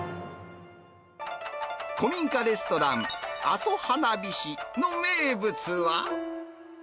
古民家レストラン、阿蘇はなびしの名物は。